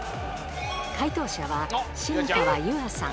解答者は新川優愛さん。